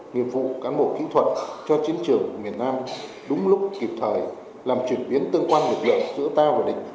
nghiệp vụ cán bộ kỹ thuật cho chiến trường miền nam đúng lúc kịp thời làm chuyển biến tương quan lực lượng giữa ta và địch